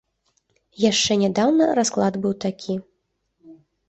Яшчэ нядаўна расклад быў такі.